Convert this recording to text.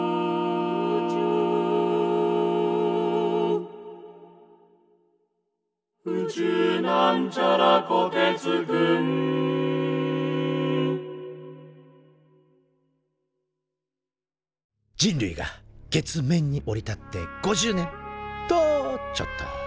「宇宙」人類が月面に降り立って５０年！とちょっと。